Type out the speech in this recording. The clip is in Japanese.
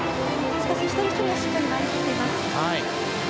しかし、一人ひとりはしっかり回り切っています。